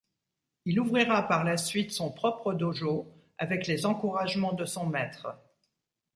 Il ouvrira par la suite son propre dōjō avec les encouragements de son maître.